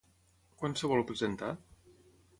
Quan es vol presentar?